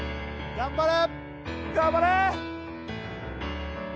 頑張れ！